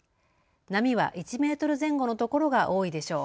波は１メートル前後のところが多いでしょう。